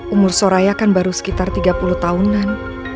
umur soraya kan baru sekitar tiga puluh tahunan